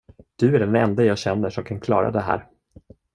Du är den ende jag känner som kan klara det här.